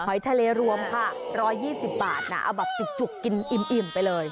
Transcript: ทะเลรวมค่ะ๑๒๐บาทนะเอาแบบจุกกินอิ่มไปเลย